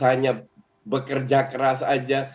hanya bekerja keras saja